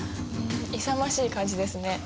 勇ましい感じですね。